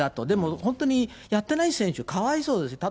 でも、本当にやってない選手かわいそうです。